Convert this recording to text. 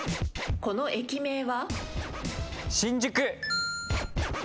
この駅名は？